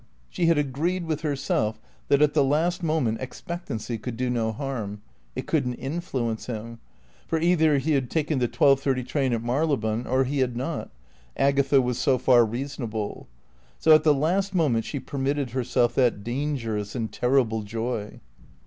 She had agreed with herself that at the last moment expectancy could do no harm; it couldn't influence him; for either he had taken the twelve thirty train at Marylebone or he had not (Agatha was so far reasonable); so at the last moment she permitted herself that dangerous and terrible joy.